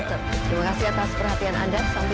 terima kasih atas perhatian anda